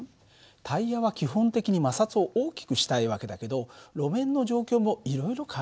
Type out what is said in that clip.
タイヤは基本的に摩擦を大きくしたい訳だけど路面の状況もいろいろ変わるからね。